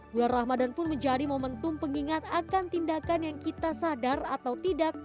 bulan ramadan pun menjadi momentum pengingat akan tindakan yang kita sadar atau tidak